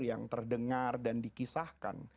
yang terdengar dan dikisahkan